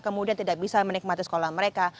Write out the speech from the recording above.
kemudian tidak bisa menikmati sekolah mereka